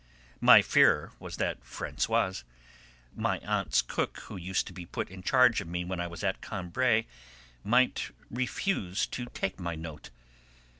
My fear was that Françoise, my aunt's cook who used to be put in charge of me when I was at Combray, might refuse to take my note.